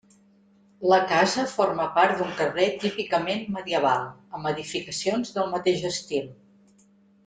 La casa forma part d'un carrer típicament medieval, amb edificacions del mateix estil.